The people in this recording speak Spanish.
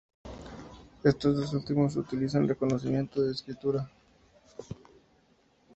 Estos dos últimos utilizan reconocimiento de escritura.